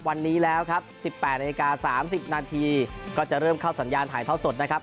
วันนี้แล้วครับ๑๘นาฬิกา๓๐นาทีก็จะเริ่มเข้าสัญญาณถ่ายท่อสดนะครับ